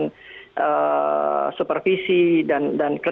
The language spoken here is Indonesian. bahwasannya mou antara ketiga institusi itu ingin menjelaskan